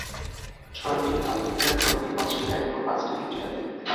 ছয়টি আফ্রিকায়, নয়টি অস্ট্রেলিয়ায় এবং পাঁচটি নিউজিল্যান্ডে।